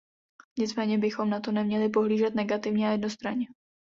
Nicméně bychom na to neměli pohlížet negativně a jednostranně.